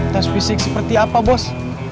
tes fisik seperti apa bos